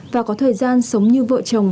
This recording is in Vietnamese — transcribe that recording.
và có thời gian sống như vợ chồng